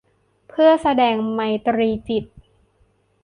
เพื่อแสดงไมตรีจิต